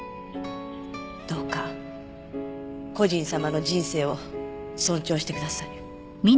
どうか故人様の人生を尊重してください。